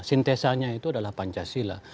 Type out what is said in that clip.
sintesanya itu adalah pancasila